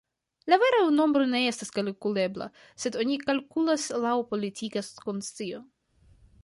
La vera nombro ne estas kalkulebla, sed oni kalkulas laŭ politika konscio.